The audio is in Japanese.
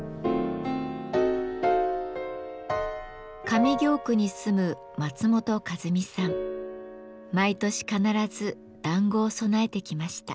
上京区に住む毎年必ず団子を供えてきました。